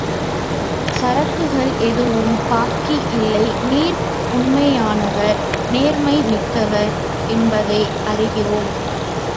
சரக்குகள் எதுவும் பாக்கி இல்லை நீர் உண்மையானவர் நேர்மை மிக்கவர் என்பதை அறிகிறோம்.